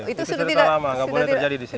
itu sudah tidak boleh terjadi di sini